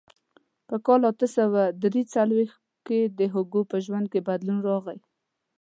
په کال اته سوه درې څلوېښت کې د هوګو په ژوند کې بدلون راغی.